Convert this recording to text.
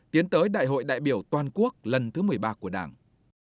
tiến tới đại hội đại biểu toàn quốc lần thứ một mươi ba của đảng